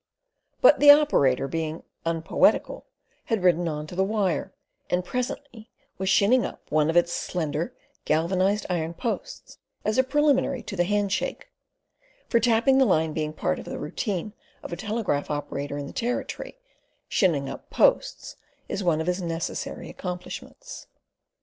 But the operator, being unpoetical, had ridden on to the "wire," and presently was "shinning up" one of its slender galvanised iron posts as a preliminary to the "handshake"; for tapping the line being part of the routine of a telegraph operator in the Territory, "shinning up posts," is one of his necessary accomplishments.